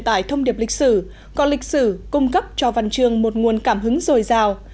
tải thông điệp lịch sử còn lịch sử cung cấp cho văn chương một nguồn cảm hứng dồi dào